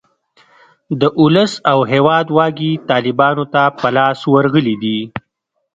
د اولس او هیواد واګې طالیبانو ته په لاس ورغلې دي.